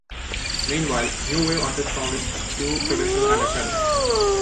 Meanwhile, "New Wave" artists found it too "traditional and academic".